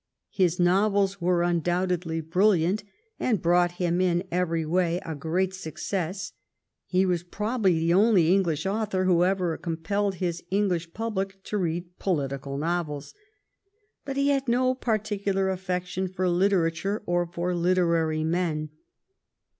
His novels were undoubtedly brilliant, and brought him in every way a great success. He was probably the only English author who ever compelled his English public to read political novels. But he had no particular affection for literature or for literary men.